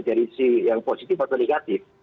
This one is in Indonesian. dari sisi yang positif atau negatif